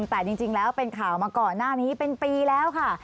แต่จริงแล้วเป็นข่าวมาก่อนหน้านี้เป็นปีแล้วค่ะ